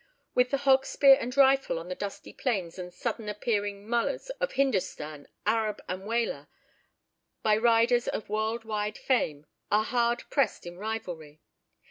With the hog spear and rifle on the dusty plains and sudden appearing nullahs of Hindostan, Arab and Waler, by riders of world wide fame, are hard pressed in rivalry.